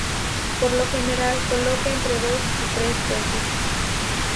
Por lo general coloca entre dos y tres huevos.